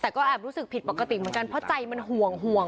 แต่ก็แอบรู้สึกผิดปกติเหมือนกันเพราะใจมันห่วงห่วง